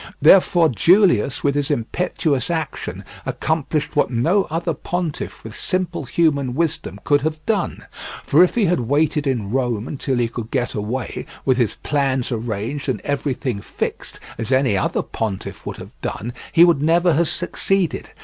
Therefore Julius with his impetuous action accomplished what no other pontiff with simple human wisdom could have done; for if he had waited in Rome until he could get away, with his plans arranged and everything fixed, as any other pontiff would have done, he would never have succeeded.